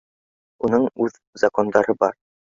Уның уҙ закондары бар